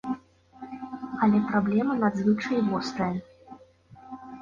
Але праблема надзвычай вострая.